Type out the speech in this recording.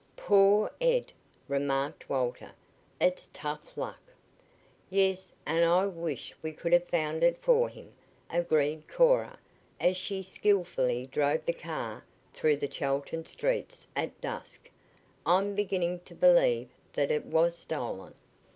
"Poor Ed!" remarked Walter. "It's tough luck!" "Yes, I wish we could have found it for him," agreed Cora as she skillfully drove the car through the Chelton streets at dusk. "I'm beginning to believe that it was stolen."